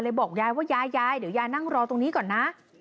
บอกยายว่ายายยายเดี๋ยวยายนั่งรอตรงนี้ก่อนนะ